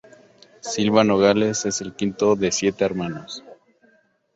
Silva Nogales es el quinto de siete hermanos.